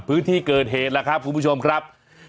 พื้นที่เกิดเหตุแล้วครับคุณผู้ชมครับ